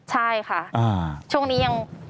ใช่ค่ะช่วงนี้ยัง